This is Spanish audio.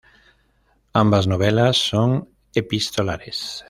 Ambas novelas son epistolares.